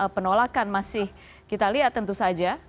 penolakan masih kita lihat tentu saja